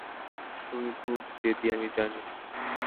তুমি খুব জেদি, আমি জানি।